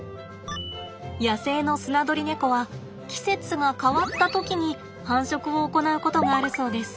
野生のスナドリネコは季節が変わった時に繁殖を行うことがあるそうです。